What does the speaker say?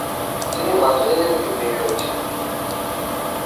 তিনি মাধুরী দেবীকে বিয়ে করেছেন।